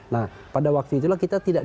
nah pada waktu itulah kita tidak